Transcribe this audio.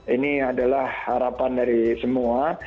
ini adalah harapan dari semua